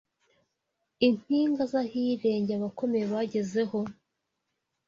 Impinga z’ahirengeye abakomeye bagezeho